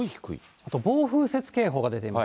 あと暴風雪警報が出ています。